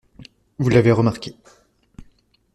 Vous l’avez remarqué.